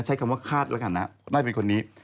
ใช้คำว่าคาดแล้วกันนะน่าจะเป็นคนนี้